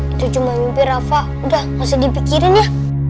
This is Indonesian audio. itu cuma mimpi rafa udah masih dipikirin ya